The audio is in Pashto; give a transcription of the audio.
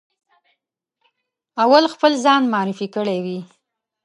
اول خپل ځان معرفي کړی وي.